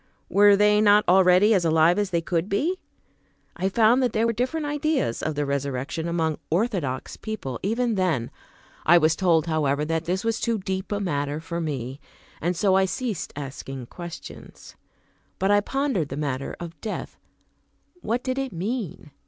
Were they not already as alive as they could be? I found that there were different ideas of the resurrection among "orthodox" people, even then. I was told however, that this was too deep a matter for me, and so I ceased asking questions. But I pondered the matter of death; what did it mean?